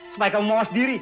supaya kamu mengawas diri